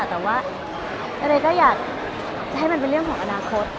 แต่ว่าอะไรก็อยากจะให้มันเป็นเรื่องของอนาคต